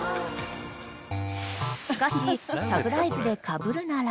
［しかしサプライズでかぶるなら］